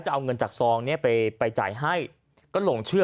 จะเอาเงินจากซองเนี่ยไปจ่ายให้ก็หลงเชื่อ